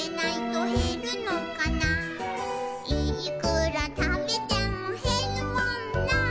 「いーくらたべてもへるもんなー」